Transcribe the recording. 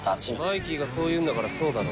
「マイキーがそう言うんだからそうだろ」